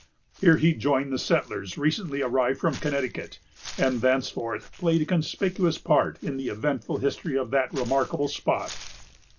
Here he joined the settlers recently arrived from Connecticut, and thenceforth played a conspicuous part in the eventful history of that remarkable spot.